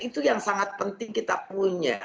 itu yang sangat penting kita punya